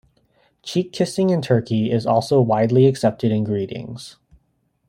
Cheek kissing in Turkey is also widely accepted in greetings.